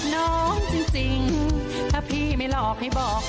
น้องจริงถ้าพี่ไม่หลอกให้บอก